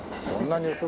そんなに。